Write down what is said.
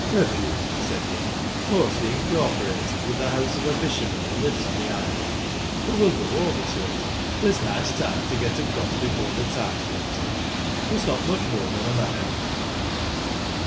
" A few," said he; "mostly incorporated with the house of a fisherman who lives on the island. But well go over to it. There's nice time to get across before the tide comes in. It's not much more than a mile."